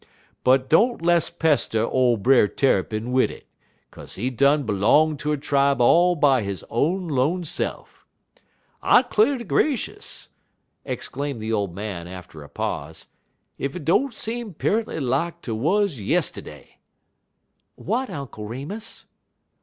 But don't less pester ole Brer Tarrypin wid it, 'kaze he done b'long ter a tribe all by he own 'lone se'f. I 'clar' ter gracious," exclaimed the old man after a pause, "ef hit don't seem periently lak 't wuz yistiddy!" "What, Uncle Remus?"